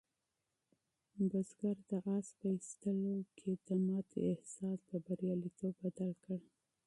بزګر د آس په ایستلو کې د ناکامۍ احساس په بریالیتوب بدل کړ.